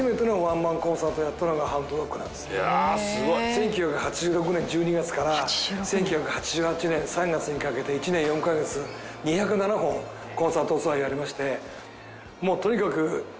１９８６年１２月から１９８８年３月にかけて１年４カ月２０７本コンサートツアーをやりまして。